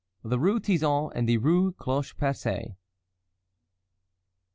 THE RUE TIZON AND THE RUE CLOCHE PERCÉE.